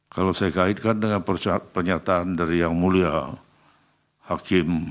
kalau saya kaitkan dengan pernyataan dari yang mulia hakim